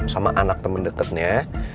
sama anak temen deketnya